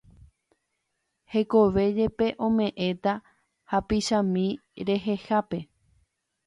Hekove jepe ome'ẽta hapichami rehehápe